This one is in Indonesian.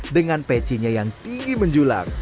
dengan pecinya yang tinggi menjulang